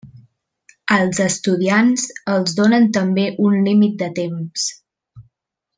Als estudiants els donen també un límit de temps.